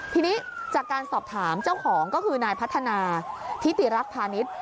ทีนี้จากการสอบถามเจ้าของก็คือนายพัฒนาทิติรักพาณิชย์